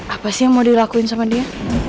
apa sih yang mau dilakuin sama dia